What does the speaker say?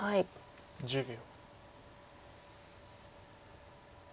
１０秒。